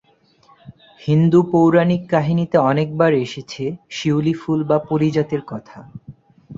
হিন্দু পৌরাণিক কাহিনীতে অনেক বার এসেছে শিউলি ফুল বা পারিজাত এর কথা।